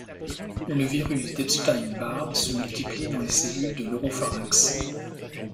Le virus d'Epstein-Barr se multiplie dans les cellules de l’oropharynx.